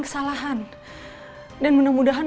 kesalahan dan mudah mudahan